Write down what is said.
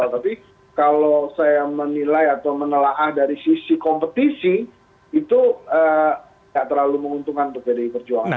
tapi kalau saya menilai atau menelah dari sisi kompetisi itu tidak terlalu menguntungkan untuk pdi perjuangan